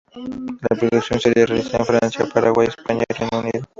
La producción se realiza en Francia, Paraguay, España y Reino Unido.